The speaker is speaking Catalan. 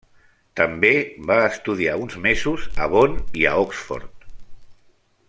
També va estudiar uns mesos a Bonn i a Oxford.